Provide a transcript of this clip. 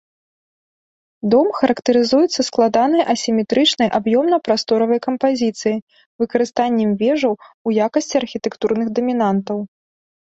Дом характарызуецца складанай асіметрычнай аб'ёмна-прасторавай кампазіцыяй, выкарыстаннем вежаў у якасці архітэктурных дамінантаў.